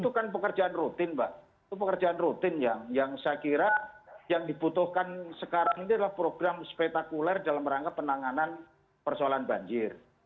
itu kan pekerjaan rutin mbak itu pekerjaan rutin yang saya kira yang dibutuhkan sekarang ini adalah program spetakuler dalam rangka penanganan persoalan banjir